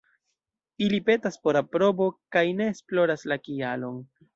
Ili petas por aprobo kaj ne esploras la kialon.